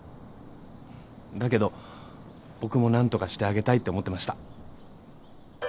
だけど僕も何とかしてあげたいって思ってました。